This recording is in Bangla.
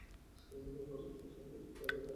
মানুষ অনেক সময় ভুলকে তাদের দায়িত্ব মনে করে।